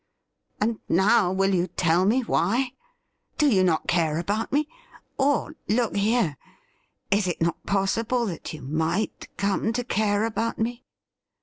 'And now will you tell me why? Do you not care about me.? Or, look here, is it not possible that you might come to care about me